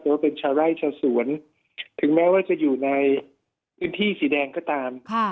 ว่าเป็นชาวไร่ชาวสวนถึงแม้ว่าจะอยู่ในพื้นที่สีแดงก็ตาม